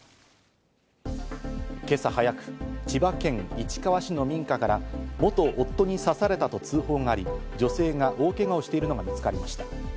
今朝早く、千葉県市川市の民家から元夫に刺されたと通報があり、女性が大けがをしているのが見つかりました。